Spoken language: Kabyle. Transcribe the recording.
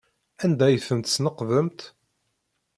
Anda ay tent-tesneqdemt?